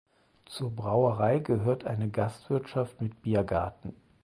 Zur Brauerei gehört eine Gastwirtschaft mit Biergarten.